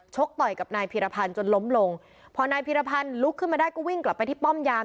ต่อยกับนายพีรพันธ์จนล้มลงพอนายพีรพันธ์ลุกขึ้นมาได้ก็วิ่งกลับไปที่ป้อมยาม